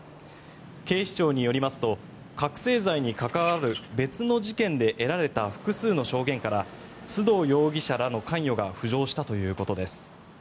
警視庁によりますと覚醒剤に関わる別の事件で得られた複数の証言から須藤容疑者らの関与が浮上したということです。